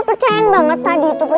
percaya banget tadi itu